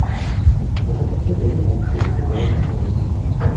Il remporta d’ailleurs un Stunt Award à Hollywood.